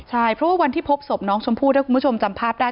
ใช่เพราะว่าวันที่พบศพน้องชมพู่ถ้าคุณผู้ชมจำภาพได้